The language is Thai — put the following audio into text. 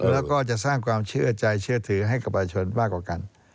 แล้วก็จะสร้างความเชื่อใจเชื่อถือให้กับประชาชนมากกว่ากัน